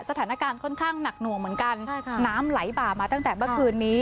สถานการณ์ค่อนข้างหนักหน่วงเหมือนกันน้ำไหลบ่ามาตั้งแต่เมื่อคืนนี้